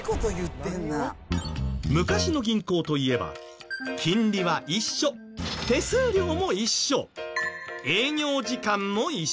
昔の銀行といえば金利は一緒手数料も一緒営業時間も一緒。